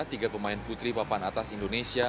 tiga pemain putri papan atas indonesia